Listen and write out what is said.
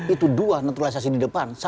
itu dua naturalisasi di depan